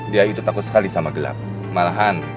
dia itu takut sekali sama gelap malahan